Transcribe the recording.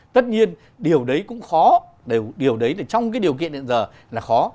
tất nhiên điều đấy cũng khó điều đấy là trong cái điều kiện hiện giờ là khó